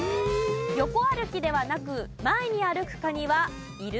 横歩きではなく前に歩くカニはいる？